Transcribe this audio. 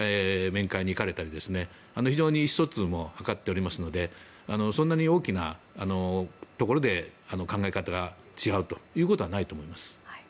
面会に行かれたり、非常に意思疎通も図っていますのでそんなに大きなところで考え方が違うということはないと思います。